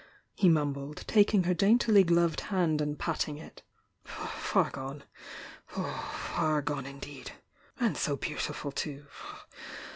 he mumbled, taking her daintily gloved hand and patting it. "Far gone! — far gone, indeed! And so beautiful, too!